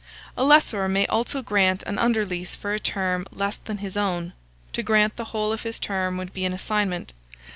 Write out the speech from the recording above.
A lessor may also grant an under lease for a term less than his own: to grant the whole of his term would be an assignment.